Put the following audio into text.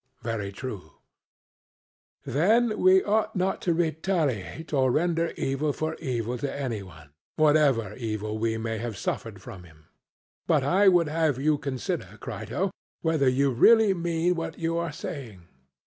CRITO: Very true. SOCRATES: Then we ought not to retaliate or render evil for evil to any one, whatever evil we may have suffered from him. But I would have you consider, Crito, whether you really mean what you are saying.